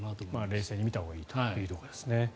冷静に見たほうがいいというところですね。